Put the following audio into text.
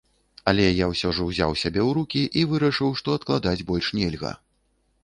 Але я ўсё ж узяў сябе ў рукі і вырашыў, што адкладаць больш нельга.